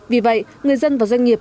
vì vậy người dân và doanh nghiệp